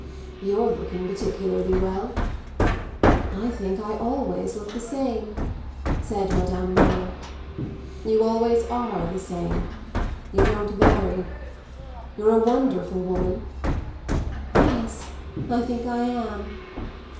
"You're looking particularly well." "I think I always look the same," said Madame Merle. "You always are the same. You don't vary. You're a wonderful woman." "Yes, I think I am."